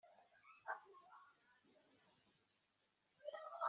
ubushinjacyaha buvuga ko nta makuru ahagije araboneka